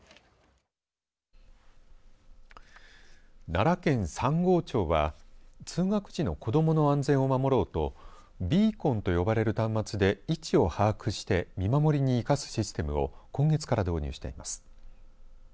奈良県三郷町は通学時の子どもの安全を守ろうとビーコンと呼ばれる端末で位置を把握して見守りに生かすシステムを今月から導入しています。